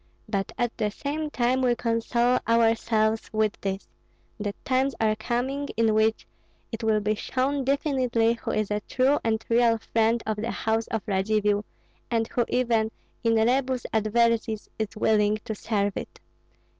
But at the same time we console ourselves with this, that times are coming in which it will be shown definitely who is a true and real friend of the house of Radzivill and who even in rebus adversis is willing to serve it.